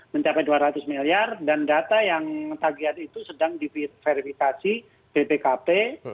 mencapai dua ratus miliar dan data yang tagihan itu sedang diverifikasi bpkp